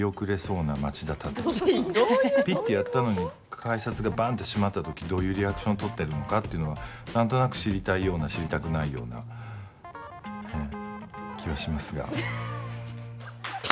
ピッてやったのに改札が、ばんって閉まったときどういうリアクション取ってるのかっていうのはなんとなく知りたいような知りたくないような気はしますが。